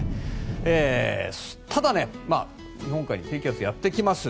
ただ、日本海に低気圧がやってきます。